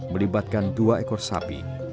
melibatkan dua ekor sapi